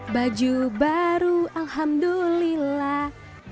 baju baru alhamdulillah